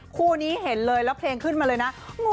คู่นี้เห็นเลยแล้วเพลงขึ้นมาเลยนะ